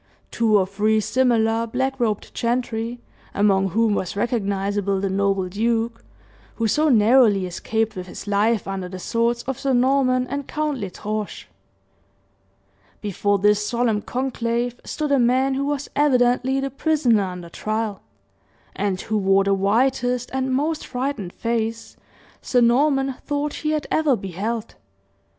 Two or three similar black robed gentry, among whom was recognizable the noble duke who so narrowly escaped with his life under the swords of Sir Norman and Count L'Estrange. Before this solemn conclave stood a man who was evidently the prisoner under trial, and who wore the whitest and most frightened face Sir Norman thought he had ever beheld.